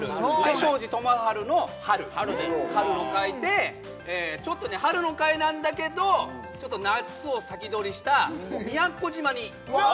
庄司智春の「春」春の会でちょっとね春の会なんだけどちょっと夏を先取りした宮古島にうわ！